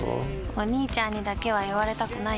お兄ちゃんにだけは言われたくないし。